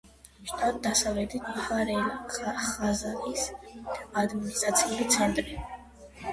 შტატ დასავლეთი ბაჰრ-ელ-ღაზალის ადმინისტრაციული ცენტრი.